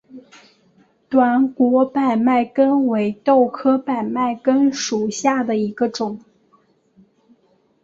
短果百脉根为豆科百脉根属下的一个种。